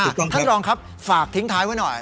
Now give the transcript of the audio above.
ท่านรองครับฝากทิ้งท้ายไว้หน่อย